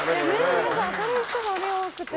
皆さん明るい人が多くて。